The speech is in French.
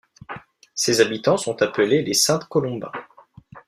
Ses habitants sont appelés les Sainte-Colombains.